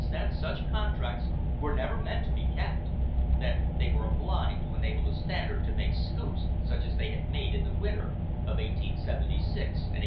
that such contracts were never meant to be kept; that they were a blind to enable the Standard to make scoops such as they had made in the winter of 1876 and 1877.